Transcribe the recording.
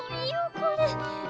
これ。